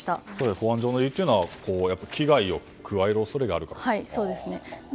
保安上の理由というのは危害を加える恐れがあると？